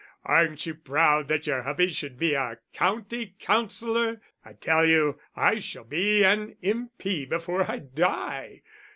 Aren't you proud that your hubby should be a County Councillor? I tell you I shall be an M.P. before I die."